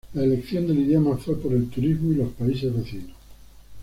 La elección del idioma fue por el turismo y los países vecinos.